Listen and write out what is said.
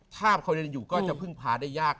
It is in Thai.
ถ้าเขายังอยู่ก็จะพึ่งพาได้ยาก